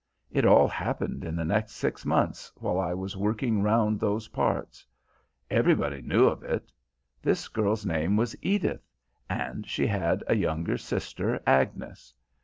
It all happened in the next six months while I was working round those parts. Everybody knew of it. This girl's name was Edith and she had a younger sister Agnes.